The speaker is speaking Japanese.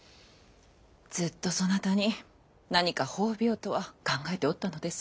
ずっとそなたに何か褒美をとは考えておったのです。